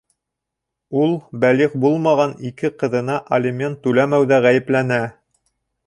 Ул бәлиғ булмаған ике ҡыҙына алимент түләмәүҙә ғәйепләнә.